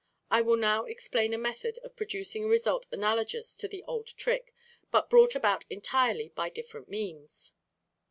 I will now explain a method of producing a result analogous to the old trick, but brought about entirely by different means.